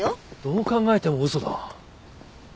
どう考えても嘘だ。